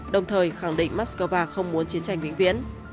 đồng thời khẳng định moscow không muốn chiến tranh vĩnh viễn